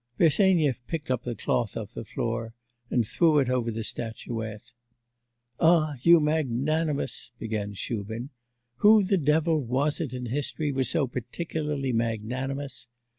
Bersenyev picked up the cloth off the floor and threw it over the statuette. 'Ah, you, magnanimous' began Shubin. 'Who the devil was it in history was so particularly magnanimous?